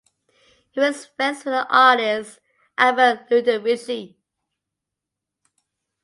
He was friends with the artist Albert Ludovici.